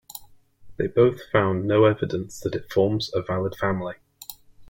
They both found no evidence that it forms a valid family.